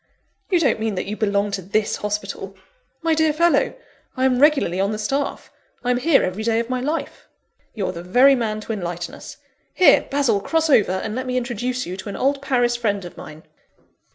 "You don't mean that you belong to this hospital?" "My dear fellow, I am regularly on the staff; I'm here every day of my life." "You're the very man to enlighten us. Here, Basil, cross over, and let me introduce you to an old Paris friend of mine.